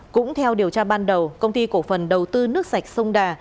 cũng theo điều tra ban đầu công ty cổ phần đầu tư nước sạch sông đà